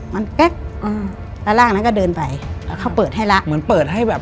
มันแก๊กอืมแล้วร่างนั้นก็เดินไปแล้วเขาเปิดให้ละเหมือนเปิดให้แบบ